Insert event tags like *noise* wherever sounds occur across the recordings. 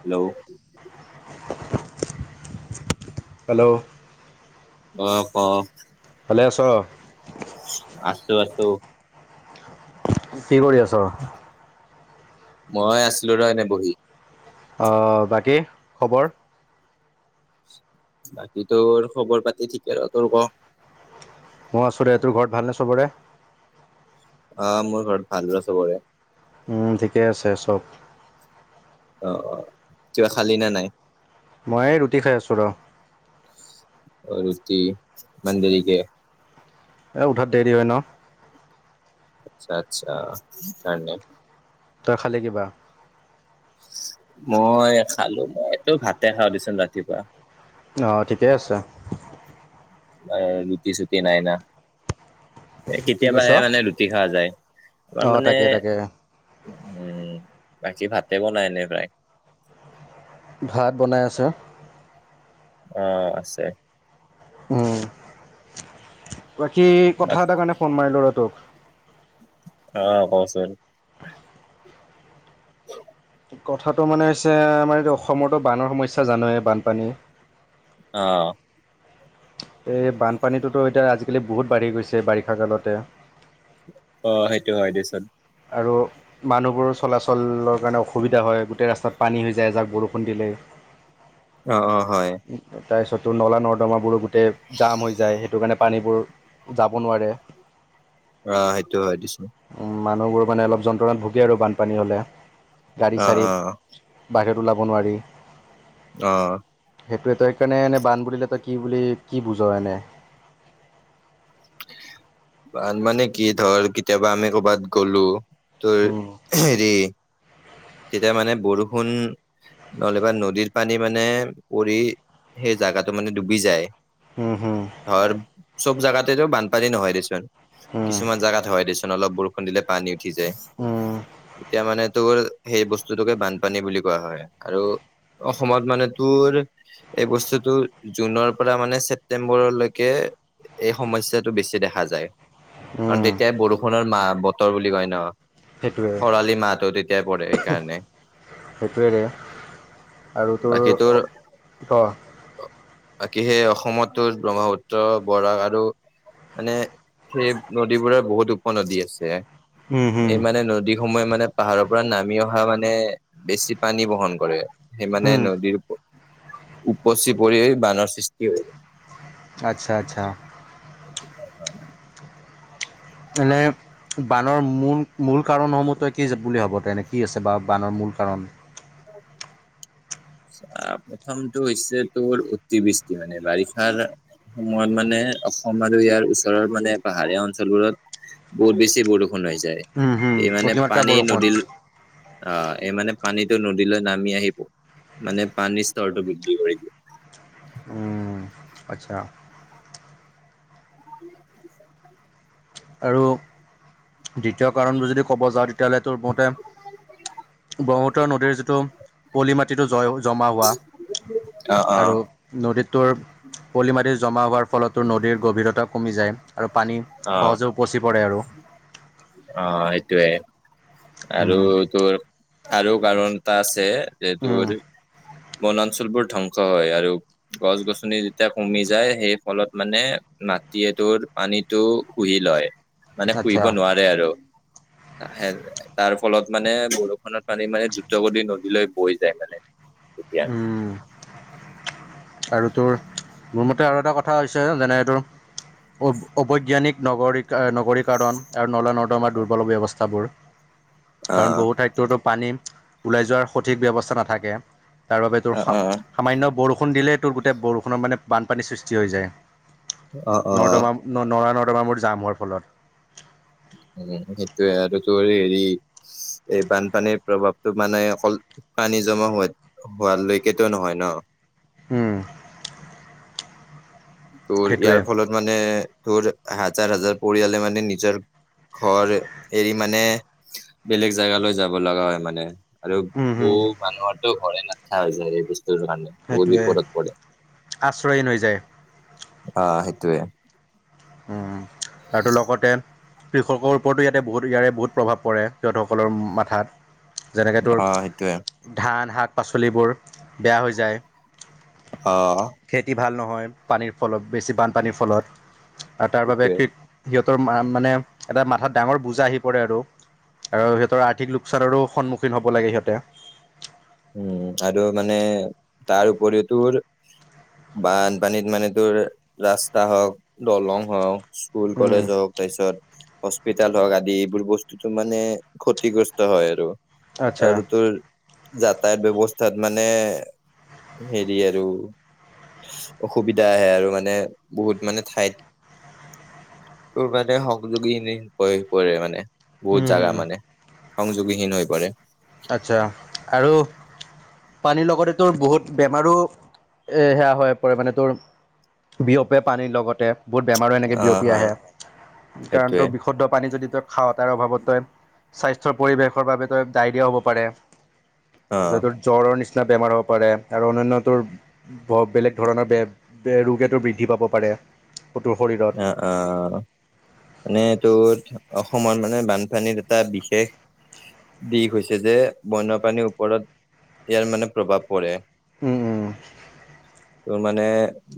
Hello *inaudible* hello অ ক'। ভালে আছ? আছো আছো। কি কৰি আছ? মই আছিলোঁ ৰ' এনে বহি। অ', বাকী খবৰ। বাকী তোৰ খবৰ পাতি ঠিকে আৰু তোৰ ক। মই আছোঁৰে, তোৰ ঘৰত ভালনে চবৰে? অ', মোৰ ঘৰত ভালচবৰে। ঠিকে আছে চব। অ', অ', কিবা খালি না নাই? মই ৰুটি খাই আছো ৰ'। ৰুটি ইমান দেৰিকে। এ উঠাত দেৰি হয় ন'। আচ্ছা আচ্ছা, কাৰণে। তই খালী কিবা? মই খালো মই এইটো ভাতে খাওঁ দিচোন ৰাতিপুৱা। অ', ঠিকেই আছে। ৰুটি চুতি নাইনা। কি কৈছ? কেতিয়াবাহে মানে ৰুটি খোৱা যায়, আমাৰ অ' মানে তাকে তাকে। উম বাকী ভাতে বনাই এনে প্ৰায়। ভাত বনাই আছে। আহ আছে। উম। বাকী বাক কথা এটা কাৰণে ফোন মাৰিলো ৰ'টোক। অ', কচোন। কথাটো মানে হৈছে আমাৰ এইটো অসমতো বানৰ সমস্যা জানোৱেই বানপানী। আহ। এই বানপানীটোতো এতিয়া আজিকালি বহুত বাঢ়ি গৈছে বাৰিষা কালতে। অ', সেইটো হয় দেচোন। আৰু মানুহবোৰৰ চলাচলৰ কাৰণে অসুবিধা হয় গোটেই ৰাস্তাত পানী হৈ যায় এযাক বৰষুণ দিলে। অ', অ', হয়। তাৰপিছতো নলা নৰ্দমাবোৰো গোটেই যাম হৈ যায় সেইটো কাৰণে পানীবোৰ যাব নোৱাৰে অ', সেইটো হয় দিছো। মানুহবোৰ মানে অলপ যন্ত্ৰণাত ভুগে আৰু বানপানী হ'লে গাড়ী অ চাড়ী অ বাহিৰত ওলাব নোৱাৰি। আহ। সেইটোৱে তই সকাৰণে এনে বান বুলিলে তই কি বুলি কি বুজ এনে বান মানে কি ধৰ কেতিয়াবা আমি কৰ'বাত গ'লো তোৰ উম, হেৰি তেতিয়া মানে বৰষুণ নহ'লেবা নদীৰ পানী মানে পৰি সেই জাগাটো মানে ডুবি যায়। হম হম। ধৰ চব জোগাতেতো বানপানী নহয় দেচোন উম, কিছুমান জোগাত হয় দেচোন অলপ বৰষুণ দিলে পানী উঠি যায়। উম, তেতিয়া মানে তোৰ সেই বস্তুটোকে বানপানী বুলি কোৱা হয় আৰু। অসমত মানে তোৰ এই বস্তুটো জুনৰ পৰা মানে ছেপ্তেম্বৰলৈকে এই সমস্যাটো বেছি দেখা যায় কাৰণ উম, তেতিয়াই বৰষুণৰ মা বতৰ বুলি কয় ন'। সেইটোৱে খৰালি মাহটো তেতিয়াই পৰে সেইকাৰণে। সেইটোৱেৰে আৰু তোৰ ক'?। বাকী সেই অসমতো ব্ৰহ্মপুত্ৰ, বৰাক আৰু মানে সেই নদীবোৰৰ বহুত উপনদী আছে। উম, হুম, এই মানে নদী সমূহে মানে পাহাৰৰ পৰা নামি অহা মানে বেছি পানী বহন কৰে সেই মানে হুম, নদীৰ উপচি পৰি বানৰ সৃষ্টি হৈ আচ্ছা-আচ্ছা। অ'। এনে বানৰ মূল মূল কাৰণসমূহ তই কি বুলি ভবা তেনে কি আছে বা বানৰ মূল কাৰণ। প্ৰথমটো হৈছে তোৰ অতিবৃষ্টি মানে বাৰিষাৰ সময়ত মানে অসম আৰু ইয়াৰ ওচৰৰ মানে পাহাৰীয়া অঞ্চলবোৰত বহুত বেছি বৰষুণ হৈ যায়, উম হুম এই মানে অতিমাত্ৰা পানী বৰষুণ নদীৰ অ' এই মানে পানীতটো নদীলৈ নামি আহিব। মানে পানীৰ স্তৰটো বৃদ্ধি কৰি দিয়ে। উম আচ্ছা। আৰু দ্বিতীয় কাৰণবোৰ যদি ক'ব যাও, তেতিয়াহ'লে তোৰ *unintelligible* ব্ৰহ্মপুত্ৰ নদীৰ যিটো পলি মাটিটো জয় জমা হোৱা অ আৰু নদীটো পলি মাৰি জমা হোৱাৰ ফলতো নদীৰ গভীৰতা কমি যায় আৰু পানী সহজেও উপচি পৰে আৰু অ' সেইটোৱে আৰু উম তোৰ আৰু কাৰণ এটা আছে যে তোৰ উম বনাঞ্চল বোৰ ধ্বংস হয় আৰু গছ-গছনি যেতিয়া কমি যায় সেই ফলত মানে মাটিয়ে তোৰ পানীতটো শুহি লয় মানে আচ্ছা শুহিব নোৱাৰে আৰু। *inaudible* তাৰ ফলত মানে বৰষুণত পানী মানে দ্ৰুত গতিত নদীলৈ বৈ যায় মানে। তেতিয়া উম'। আৰু তোৰ মোৰ মতে আৰু এটা কথা হৈছে যেনে এইটো। অবৈজ্ঞানিক নগৰীকৰণ আৰু নলা-নৰ্দমাৰ দুৰ্বল ব্যৱস্থাবোৰ। অ কাৰণ বহু ঠাইততো পানী ওলাই যোৱাৰ সঠিক ব্যৱস্থা নাথাকে। তাৰ বাবে তোৰ অ অ সামান্য বৰষুণ দিলেই তোৰ গোটেই বৰষুণৰ মানে বানপানীৰ সৃষ্টি হৈ যায়। অ', অ', নৰ্দা- নৰ্দমা মোৰ জাম হোৱাৰ ফলত। উ' সেইটোয়ে আৰু হেৰি এই বানপানীৰ প্ৰভাৱটো মানে অকল পানী জমা হোৱা, হোৱালৈকেতো নহয় ন'। উম'। তোৰ সেইটোৱে ইয়াৰ ফলত মানে তোৰ হাজাৰ হাজাৰ পৰিয়ালে মানে নিজৰ। ঘৰ এৰি মানে বেলেগ জেগালৈ যাব লগা হয় মানে। আৰু উম হম বহু মানুহৰো ঘৰে নাথখা হৈ যায় সেই বস্তু বহু সেইটোৱে বিপদত পৰে। আশ্ৰয়হীন হৈ যায় অ' সেইটোৱে। উম আৰু লগতে কৃষকৰ ওপৰতো ইয়াতে বহুত ইয়াৰে বহুত প্ৰভাৱ পৰে সিহঁতসকলৰ মাথাত। যেনেক তোৰ অ', সেইটোয়ে ধান, শাক-পাচলিবোৰ বেয়া হৈ যায়। অহ। খেতি ভাল নহয় পানীৰ ফলত বেছি বানপানীৰ ফলত আৰু তাৰ বাবে সেইটোয়ে খেতি মানে এটা মাথাত ডাঙৰ বুজা আহি পৰে আৰু আৰু সিহঁতৰ আৰ্থিক লোকচানৰো সন্মুখীন হ'ব লাগে সিহঁতে উম আৰু মানে তাৰ উপৰিও তোৰ বানপানীত মানে তোৰ ৰাস্তা হওক, দলং হওক। স্কুল, উম কলেজ হওঁক তাৰপিছত হস্পিতেল হওঁক আদি এইবোৰ বস্তুতো মানে ক্ষতিগ্ৰস্ত হয় আৰু আচ্ছা আৰু তোৰ যাতায়াত ব্যৱস্থাত মানে হেৰি আৰু অসুবিধা আহে আৰু মানে বহুত মানে ঠাইত। তোৰবাদে সংযোগী হৈ পৰে মানে। উম বহুত জাগা হম মানে সংযোগীহীন হৈ পৰে। আচ্ছা আৰু- পানীৰ লগতে তোৰ বহুত বেমাৰো এ সেয়া হৈ পৰে মানে তোৰ- বিয়পে পানীৰ লগতে। বহুত বেমাৰো এনেকৈ অ বিয়পি হয় আহে কাৰণ সেইটোৱে তোৰ বিশুদ্ধ পানী যদি তই খাৱতাৰ অভাৱত তই স্বাস্থ্যৰ পৰিৱেশৰ বাবে তই ডায়েৰিয়া ও হ'ব পাৰে। অ ত তোৰ জ্বৰৰ নিচি নিচিনা বেমাৰ হ'ব পাৰে আৰু অন্যান্য তোৰ বেলেগ ধৰণৰ বে ৰোগেতো বৃদ্ধি পাব পাৰে। আ এক। অ অ নে তোৰ অসমত মানে বানপানীত এটা বিশেষ দিশ হৈছে যে বন্যপ্ৰাণীৰ ওপৰত ইয়াৰ মানে প্ৰভাৱ পৰে। উ ম উম। তোৰ মানে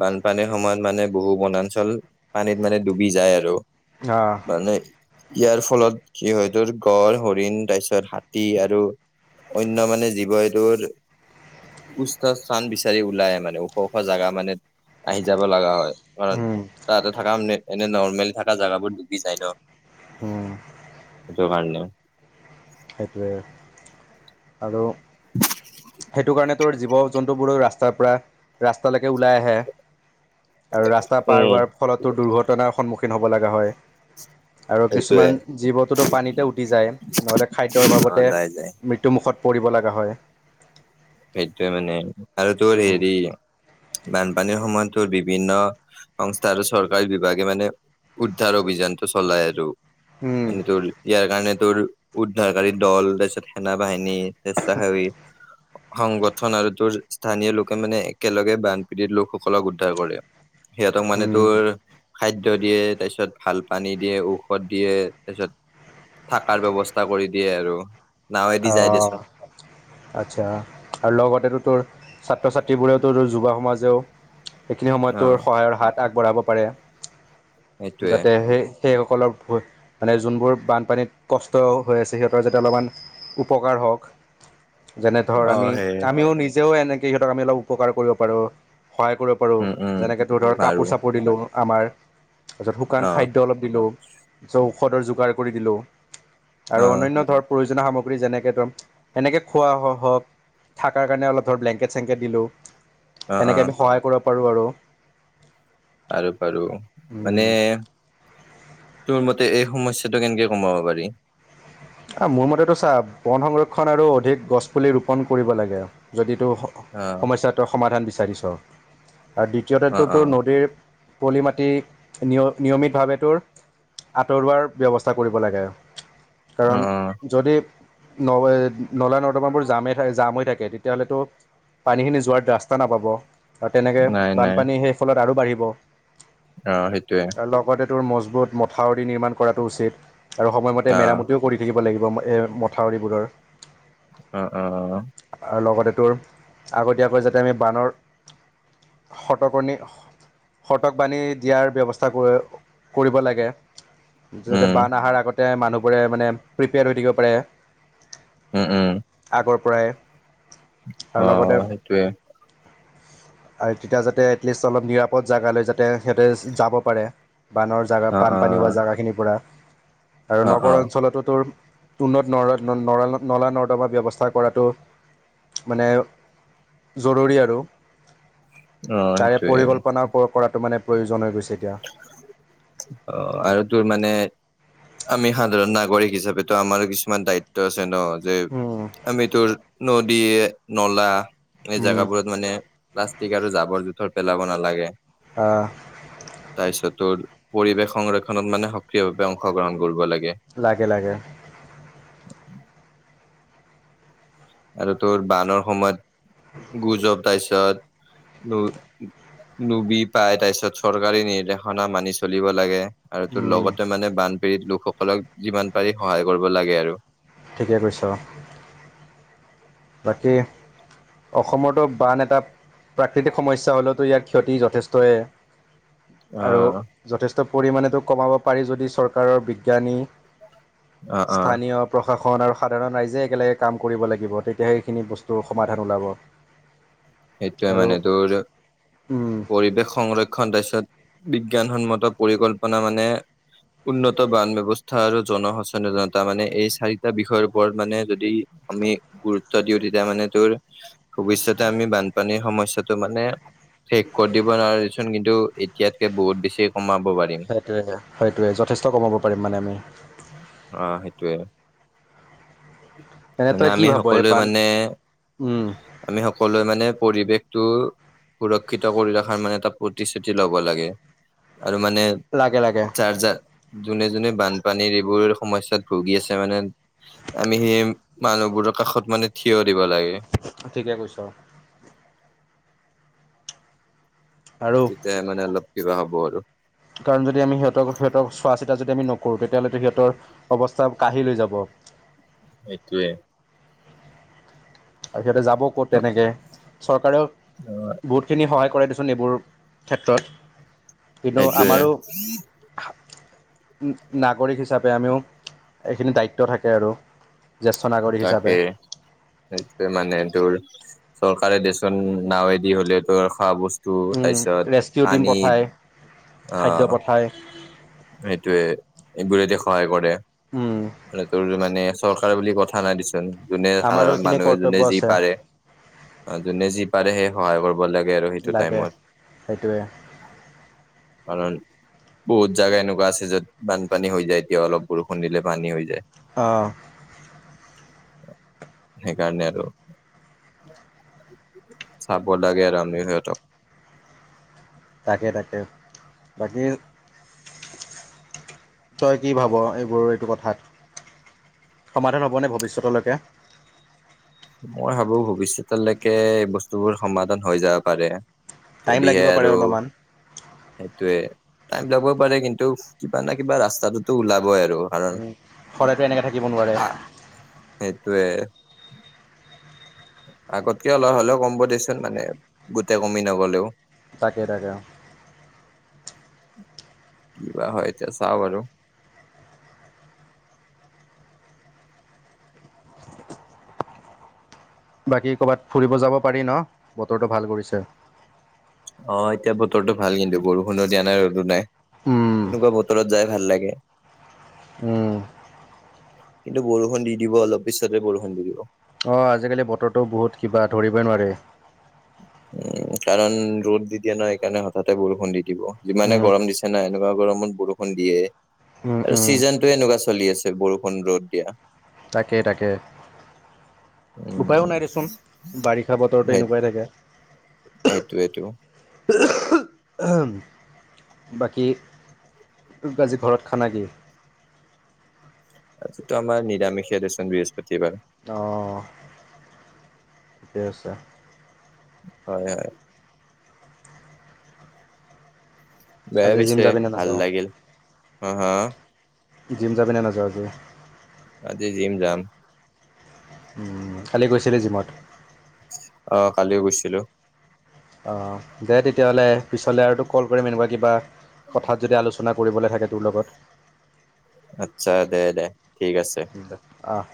বানপানীৰ সময়ত মানে বহু বনাঞ্চল পানীত মানে ডুবি যায় আৰু। আহ। মানে ইয়াৰ ফলত যিহেতুৰ গড় হৰিণ তাৰপিছত হাতী আৰু অন্য মানে জীৱ এইটোৰ সুস্থ স্থান বিচাৰি ওলাই মানে ওখ ওখ জাগা মানে আহি যাব লগা হয়। কাৰণ উম। তাতে থকা এনে নৰ্মেল থকা জাগাবোৰ ডুবি যায় ন। হুম। সেইটো কাৰণে। সেইটোৱে আৰু সেইটো কাৰণে তোৰ জীৱ জন্তুবোৰৰ ৰাস্তা ৰাস্তাৰ পৰা ৰাস্তালৈকে ওলাই আহে। আৰু ৰাস্তা পাৰ উম হোৱাৰ ফলতো দুৰ্ঘটনাৰ সন্মুখীন হ'ব লগা হয়। আৰু সেইটোয়ে কিছুমান জীৱটোতো পানীতে উটি যায় নহলে খাদ্যৰ অ অভাৱতে যাই যাই মৃত্যুমুখ মুখত পৰিব লগা হয়। সেইটোয়ে মানে আৰু তোৰ উম হেৰি বানপানীৰ সময়ত বিভিন্ন সংস্থা আৰু চৰকাৰী বিভাগে মানে উদ্ধাৰ অভিযানটো চলাই আৰু। উম ইয়াৰ কাৰণে উদ্ধাৰকাৰী দল তাৰপিছত সেন বাহিনী স্বেচ্ছাসেৱী সংগঠন আৰু তোৰ স্থানীয় লোকে মানে একেলগে বানপীড়িত লোকসকলক উদ্ধাৰ কৰে। সিহঁতক মানে উম তোৰ খাদ্য দিয়ে তাৰপিছত ভাল পানী দিয়ে ঔষধ দিয়ে তাৰপিছত থাকাৰ ব্যৱস্থা কৰি দিয়ে আৰু। নাৱেদি অ যাই দেচোন আচ্ছা। আৰু লগতেতো তোৰ ছাত্ৰ ছাত্ৰীবোৰেওতো তোৰ যুৱ সমাজেও এইখিনি সময়ত অ তোৰ সহায়ৰ হাত আগবঢ়াব পাৰে সেইটোৱে যাতে সেই সেইসকলৰ মানে যোনবোৰ বানপানীত কষ্ট হৈ আছে সিহঁতৰ যাতে অলপমান উপকাৰ হওক যেনে ধৰ অ আমি সেয়ে আমিও নিজ যেতিও এনেকৈ সিহঁতক আমি অলপ উপকাৰ কৰিব পাৰোঁ সহায় কৰিব পাৰোঁ উম উম যেনেকৈ তো ধৰক কাপোৰ বাৰু চাপোৰ দিলোঁ। আমাৰ তাৰপিছত শুকান অ খাদ্য অলপ দিলোঁ ঔষধৰ যোগাৰ কৰি দিলোঁ। আৰু অ অনান্য ধৰ প্ৰয়োজন সামগ্ৰী পুক যেনেকৈ ধৰম এনেকৈ খোৱা হওক থকাৰ কাৰণে অলপ ধৰক ব্লেংকেট চেংকেট দিলোঁ। অ অ এনেকে আমি সহায় কৰিব পাৰোঁ আৰু। পাৰো পাৰো মানে উম তোৰ মতে এই সমস্যাটো কেনেকে কমাব পাৰি? অ', মোৰ মতেটো চা বন সংৰক্ষণ আৰু অধিক গছ পুলি ৰোপন কৰিব লাগে যদি অ সম-সমস্যাটো সমাধান বিচাৰিছোঁ আৰু আৰু অ অ দ্বিতীয়তেটোতো নদীৰ পলি মাটি নিয় নিয়মিতভাৱেতৰ আঁতৰোৱাৰ ব্যৱস্থা কৰিব লাগে অ কাৰণ অ যদি নৱে নলা নৰ্দমান বোৰ জামেই জাম হৈ থাকে তেতিয়াহ'লেটো পানীখিনি যোৱাৰ ৰাস্তা নাপাব আৰু তেনেকে নাই নাই বানপানী সেই ফলত আৰু বাঢ়িব। অ', সেইটোৱে। তৰ মজবুত মথাউৰি নিৰ্মাণ কৰাটো উচিত আৰু সময় মতে অ মেৰামত কৰি থাকিব লাগিব এই মথাউৰিবোৰৰ। অ অ উম *unintelligible* আগতীয়াকৈ যাতে আমি বানৰ শতপ *unintelligible* শতকবাণী দিয়াৰ ব্যৱস্থা কৰিব লাগে যাতে উম বান অহাৰ আগতে মানুহবোৰে মানে প্ৰিপেয়াৰ হৈ থাকিব পাৰে উম উম প্ৰায় অ সেইটোৱে আৰু তেতিয়া যাতে এটলিষ্ট অলপ নিৰাপদ জেগালৈ যাতে সিহঁতে যাব পাৰে বানৰ জেগা অ অ বানপানী হোৱা জেগাখিনিৰ পৰা আৰু অ অ নগৰ অঞ্চলতো তোৰ উন্নত নৰ ন নলা নৰ্দমা ব্যৱস্থা কৰাটো মানে জৰুৰী আৰু অ তাৰে সেইটোৱে পৰিকল্পনা কৰাটো মানে প্ৰয়োজন হৈ গৈছে এতিয়া। অ আৰু তোৰ মানে আমি সাধাৰণ নাগৰিক হিচাপেটু আমাৰ কিছুমান দায়িত্ব আছে ন যে উম আমিতো নদী নলা এই জেগাবোৰত মানে প্লাষ্টিক আৰু জাবৰ জোথৰ পেলাব নালাগে আহ তাৰ পিছত তোৰ পৰিৱেশ সংৰক্ষনত মানে সক্ৰিয় ভাৱে অংশগ্ৰহণ কৰিব লাগে লাগে লাগে উম আৰু তোৰ বানৰ সময়ত গুজৱ তাৰপিছত লোবি পাই তাৰপিছত চৰকাৰী নিৰ্দেশনা মানি চলিব লাগে আৰু ত উম লগতে মানে বানপীড়িত লোকসকলক যিমান পাৰি সহায় কৰিব লাগে আৰু ঠিকে কৈছ। বাকী অসমতো বান এটা প্ৰাকৃতিক সমস্যা হ'লেওতো, ইয়াৰ ক্ষতি যথেষ্টই। আৰু আহ যথেষ্ট পৰিমাণেতো কমাব পাৰি যদি চৰকাৰৰ বিজ্ঞানী অ অ স্থানীয় প্ৰশাসন আৰু সাধাৰণ ৰাইজে একেলগে কাম কৰিব লাগিব, তে তেতিয়াহে সেইখিনি বস্তুৰ সমাধান ওলাব। সেইটোয়ে আৰু মানে তোৰ, উম পৰিৱেশ সংৰক্ষণ তাৰছত বিজ্ঞানসন্মত পৰিকল্পনা মানে উন্নত বান ব্যৱস্থা আৰু জন সচেতনতা, মানে এই চাৰিটা বিষয়ৰ ওপৰত মানে যদি আমি গুৰুত্ব দিও, তেতিয়া মানে তোৰ ভৱিষ্যতে আমি বান বানপানীৰ সমস্যাটো মানে শেষ কৰি দিব নোৱাৰিচোন, কিন্তু এতিয়াতকে বহুত বেছি কমাব পাৰিম সেইটোৱে, সেইটোৱে যথেষ্ট কমাব পাৰিম মানে আমি। অ সেইটোয়ে এনে মানে তই কি আমি ভাব এই সকলোৱে বান মানে, উম আমি সকলোৱে মানে টো, সুৰক্ষিত কৰি ৰখাৰ মানে এটা প্ৰতিশ্ৰুতি লব লাগে। আৰু মানে লাগে লাগে চাৰ্জাৰ। যোনে যোনে বানপানীৰ এইবোৰ সমস্যাত ভুগি আছে মানে আমি সেই মানুহবোৰৰ কাষত মানে থিয় দিব লাগে। ঠিকে কৈছ। আৰু তেতিয়াহে মানে অলপ কিবা হ'ব আৰু। কাৰণ যদি আমি সিহঁতক -সিহঁতক চোৱা-চিতা যদি আমি নকৰোঁ, তেতিয়াহ'লে সিহঁতৰ অৱস্থা কাহিল হৈ যাব। *inaudible* সেইটোৱে সিহঁতে যাব ক'ত তেনেকে। চৰকাৰেও বহুতখিনি সহায় কৰে দেচোন এইবোৰ ক্ষেত্ৰত। কিন্তু সেইটোয়ে আমাৰো নাগৰিক হিচাপে আমিও এইখিনি দায়িত্ব থাকে আৰু। জ্যেষ্ঠ নাগৰিক হিচাপে। তাকে সেইটোয়ে মানে তোৰ চৰকাৰে দেচোন নাৱেদি হলেও তোৰ খৱা বস্তু টো উম, তাৰপিছত ৰেস্কিউ টিম পানীত। পঠায় খাদ্য আহ পঠায় সেইটোৱে। এইবোৰেদি সহায় কৰে। উম, আৰু তোৰ মানে চৰকাৰ বুলি কথা নাই দিচোন। যোনে আমাৰো সাধাৰণ এইখিনি মানুহ, যোনে কৰ্তব্য যি আছে পাৰে- যোনে যি পাৰে সেই সহায় কৰিব লাগে। আৰু সেইটো লাগে। টাইমত সেইটোৱে। কাৰণ বহুত জাগা এনেকুৱা আছে, য'ত বানপানী হৈ যায়। এতিয়া অলপ বৰষুণ দিলে পানী হৈ যায়। আহ। সেইকাৰণে আৰু। চাব লাগে আমিও সিহঁতক। তাকে। তাকে। বাকী তই কি ভাৱ এইবোৰ এইটো কথাত? সমাধান হ'বনে ভৱিষ্যতলৈকে? মই ভাবো ভৱিষ্যতলৈকে এই বস্তুবোৰ সমাধান হৈ যাব পাৰে। টাইম যদিহে লাগিব পাৰে আৰু অলপমান সেইটোৱে টাইম লবও পাৰে, কিন্তু কিবা নয় কিবা ৰাস্তাটোতো ওলাবই আৰু। কাৰণ সদায়তো এনেকে থাকিব নোৱাৰে। আহ *unintelligible* আগতকে অলপ হ'লেও কমব দেচোন মানে গোটে কমি নগলেও। তাকে। তাকে। কি বা হয় এতিয়া চাওঁ বাৰু! *inaudible* বাকী ক'ৰবাত ফুৰিব যাব পাৰি ন। বতৰটো ভাল কৰিছে। অহ। এতিয়া বতৰটো ভাল কিন্তু বৰষুণো দিয়া নাই। ৰ'দো নাই। উম এনেকুৱা বতৰত যাই ভাল লাগে। উম। কিন্তু বৰষুণ দি দিব। অলপ পিছতে বৰষুণ দি দিব। অহ। আজিকালি বতৰটো বহুত কিবা। ধৰিবই নোৱাৰি। উম। কাৰণ ৰ'দ দি দিয়ে ন। সেইকাৰণে হঠাতেই বৰষুণ দি দিব। যিমানে উম গৰম দিছে না, এনেকুৱা হ'ব গৰমত বৰষুণ দিয়ে। উম আৰু উম চিজনতটো এনেকুৱা চলি আছে। বৰষুণ -ৰ'দ দিয়া। তাকে। তাকে। উপায়ো উম নাই দেচোন। বাৰিষা বতৰতটো এনেকুৱাই থাকে। হেইটোৱে টো। বাকী আজি ঘৰত খানা কি? যিটো আমাৰ নিৰামিষ দেচোন। বৃহস্পতিবাৰ। অহ। ঠিকে আছে। হয়। হয়। দিয়া আজি জিম পিছে, যাবিনে ভাল নাযাওঁ লাগিল। হা- হা জিম যাবিনে নাযাৱ আজি? আজি জিম যাম। উম কালি গৈছিলি জিমত অহ কালিও গৈছিলো অ দে তেতিয়াহ'লে পিছলৈ আৰু তোক কল কৰিম এনেকুৱা কিবা কথাত যদি আলোচনা কৰিবলে থাকে তোৰ লগত আচ্ছা দে দে ঠিক আছে আহ